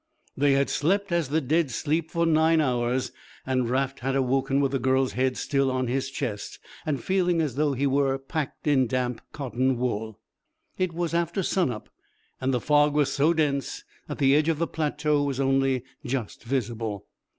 They had slept as the dead sleep for nine hours and Raft had awoken with the girl's head still on his chest and feeling as though he were packed in damp cotton wool. It was after sun up and the fog was so dense that the edge of the plateau was only just visible.